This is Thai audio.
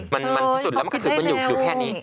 มันที่สุดแล้วมันก็คือมันอยู่แค่นี้